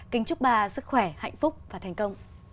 kính chúc bà sức khỏe hạnh phúc và thành công